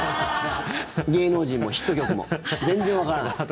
芸能人も、ヒット曲も全然わからない。